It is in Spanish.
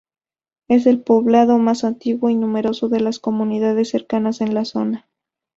Es el poblado más antiguo y numeroso de las comunidades cercanas en la zona.